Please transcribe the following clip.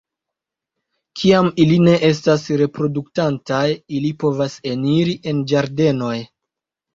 Kiam ili ne estas reproduktantaj, ili povas eniri en ĝardenoj.